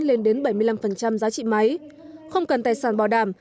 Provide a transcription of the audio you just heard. lên đến bảy mươi năm giá trị máy không cần tài sản bảo đảm